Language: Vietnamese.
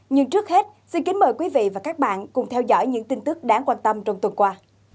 nhưng trước hết xin kính mời quý vị và các bạn cùng theo dõi những tin tức đáng quan tâm trong tuần qua